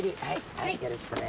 はいよろしくね。